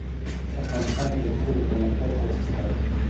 افغانستان کې د کلیو د پرمختګ هڅې شته.